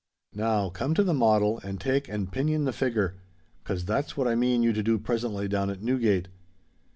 Now come to the model, and take and pinion the figure—'cos that's what I mean you to do presently down at Newgate.